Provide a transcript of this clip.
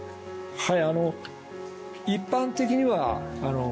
はい。